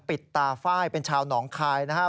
ปิดตาไฟล์เป็นชาวหนองคายนะฮะ